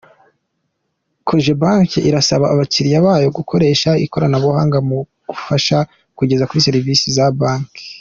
Cogebanque irasaba abakiriya bayo gukoresha ikoranabuhanga mu kubafasha kugera kuri serivisi za banki.